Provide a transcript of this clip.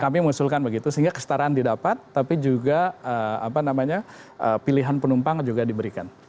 kami mengusulkan begitu sehingga kestaraan didapat tapi juga pilihan penumpang juga diberikan